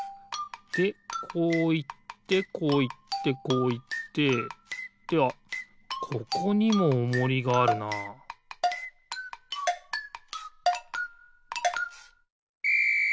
でこういってこういってこういってではここにもおもりがあるなピッ！